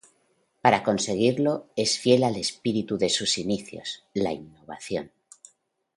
Para conseguirlo, es fiel al espíritu de sus inicios: la innovación.